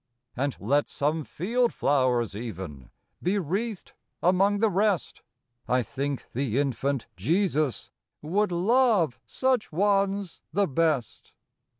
And let some field flowers even Be wreathed among the rest, I think the infant Jesus Would love such ones the best.